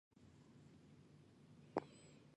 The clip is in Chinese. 湖南在近代发生许多重要的历史事件。